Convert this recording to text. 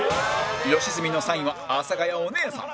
吉住の３位は阿佐ヶ谷お姉さん